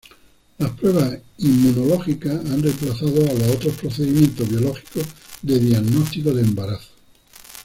Las pruebas inmunológicas han remplazado a los otros procedimientos biológicos de diagnóstico de embarazo.